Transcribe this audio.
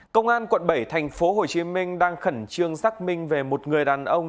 công an quận bảy thành phố hồ chí minh đang khẩn trương xác minh về một người đàn ông